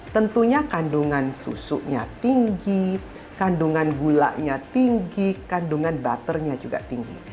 tentunya kandungan susunya tinggi kandungan gulanya tinggi kandungan butternya juga tinggi